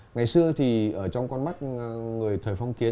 ngày xưa thì ở trong con mắt người thời phong kiến